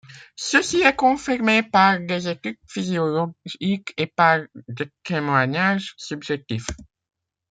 Ceci est confirmé par des études physiologiques et par des témoignages subjectifs.